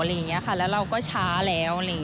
แลก็ช้าแล้ว